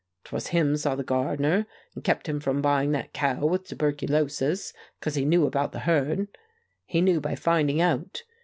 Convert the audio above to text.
'Twas him saw the gardener, and kept him from buying that cow with tuberculosis, 'cause he knew about the herd. He knew by finding out.